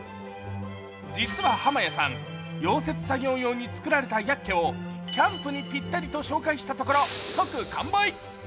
実は濱屋さん、溶接作業用に作られたヤッケをキャンプにぴったりと紹介したところ即完売。